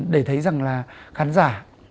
để thấy rằng là khán giả